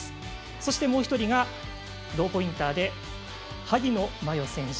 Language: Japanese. そしてもう１人がローポインターで萩野真世選手。